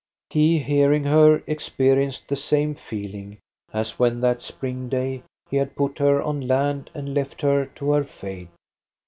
He, hearing her, experienced the same feeling as when that spring day he had put her on land and left her to her fate.